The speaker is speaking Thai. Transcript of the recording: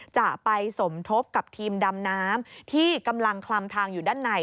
จะไปสมทบกับทีมดำน้ำที่กำลังคลำทางอยู่ด้านใน